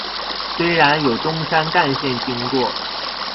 雖然有中山幹線經過